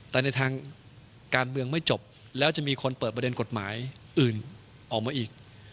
แต่ในทางการเมืองไม่จบแล้วจะมีคนเปิดประเด็นกฎหมายอื่นออกมาอีก